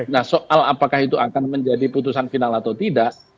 nah soal apakah itu akan menjadi putusan final atau tidak